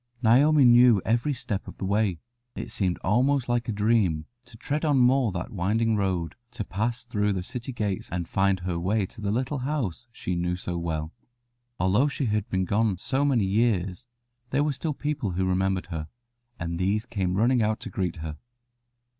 Naomi knew every step of the way. It seemed almost like a dream to tread on more that winding road, to pass through the city gates and find her way to the little house she knew so well. Although she had been gone so many years there were still people who remembered her, and these came running out to greet her.